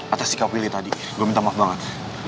atas sikap willy tadi gue minta maaf banget